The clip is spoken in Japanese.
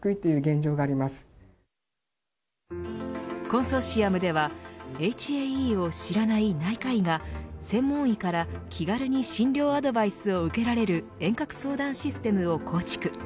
コンソーシアムではＨＡＥを知らない内科医が専門医から気軽に診療アドバイスを受けられる遠隔相談システムを構築。